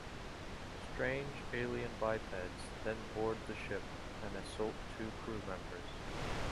Strange alien bipeds then board the ship, and assault two crew-members.